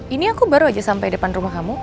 ini aku baru saja sampai di depan rumah kamu